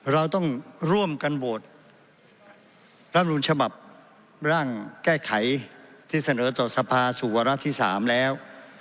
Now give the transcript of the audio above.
เราต้องร่วมกันโหวตรับนูลฉบับร่างแก้ไขที่เสนอต่อสภาสู่วาระที่๓แล้ว